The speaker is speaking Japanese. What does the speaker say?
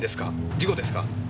事故ですか？